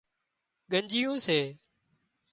ڳنڄيون سي